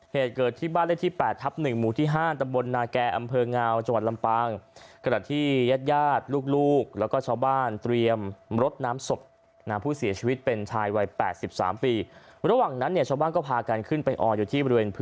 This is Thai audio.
เหตุเกิดที่บ้านเลขที่๘ทับ๑หมู่ที่๕ตำบลนาแก่อำเภองาวจังหวัดลำปาง